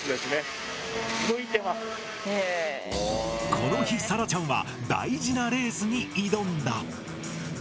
この日さらちゃんは大事なレースに挑んだ。